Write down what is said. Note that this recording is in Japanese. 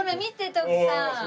徳さん。